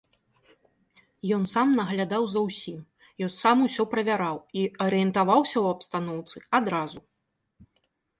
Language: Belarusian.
Ён сам наглядаў за ўсім, ён сам усё правяраў і арыентаваўся ў абстаноўцы адразу.